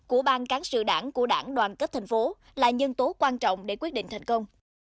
của ban cán sự đảng của đảng đoàn kết thành phố là nhân tố quan trọng để quyết định thành công